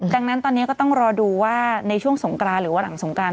ดังนั้นตอนนี้ก็ต้องรอดูว่าในช่วงสงกรานหรือว่าหลังสงการ